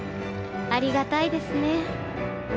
ありがたいですね